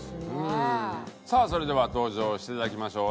さあそれでは登場していただきましょう。